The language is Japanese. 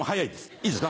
いいですか？